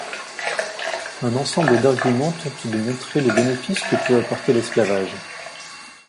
Un ensemble d'arguments tente de montrer les bénéfices que peut apporter l'esclavage.